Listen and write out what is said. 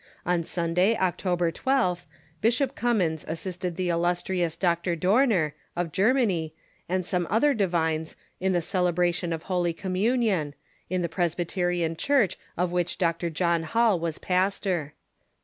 On Sunday, Octo ber 12th, Bishop Cummins assisted the illustrious Dr. Dorner, of Germany, and other divines in the celebration of Holy Communion, in the Presbyterian church of which Dr. John Hall was pastor.